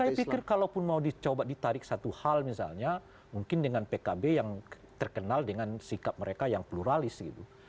saya pikir kalaupun mau dicoba ditarik satu hal misalnya mungkin dengan pkb yang terkenal dengan sikap mereka yang pluralis gitu